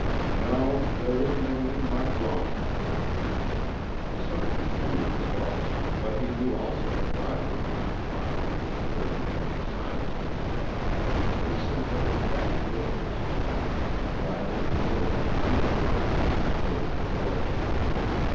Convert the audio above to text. "No—there isn't anything much wrong." The sergeant knew there was, but he knew also that Riley did not talk when he preferred to remain silent. He sent the men back to their posts, and Riley and Verbeck reēntered the house and closed the door.